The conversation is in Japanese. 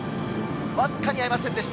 わずかに合いませんでした。